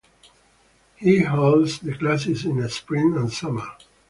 He holds the classes in spring and summer.